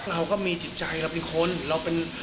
เราก็มีจิตใจเราเป็นคนเราเป็น